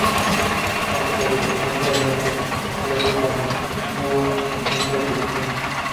Pronto se representó en otros teatros, a menudo con ciertas revisiones.